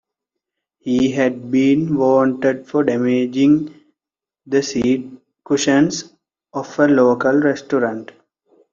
He had been wanted for damaging the seat cushions of a local restaurant.